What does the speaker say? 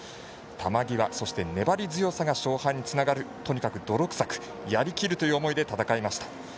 球際、そして粘り強さが勝敗につながる、とにかく泥臭くやりきるという思いで戦いました。